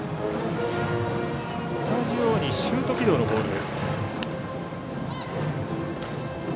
同じようにシュート軌道のボール。